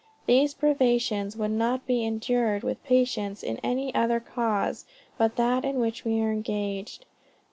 _These privations would not be endured with patience in any other cause but that in which we are engaged.